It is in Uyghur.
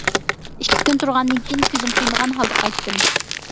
ئىككى كۈن تۇرغاندىن كېيىن كۆزۈم قىيمىغان ھالدا قايتتىم.